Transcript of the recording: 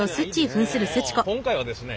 今回はですね